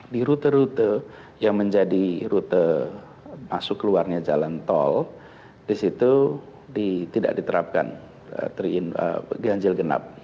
di rute rute yang menjadi rute masuk keluarnya jalan tol di situ tidak diterapkan ganjil genap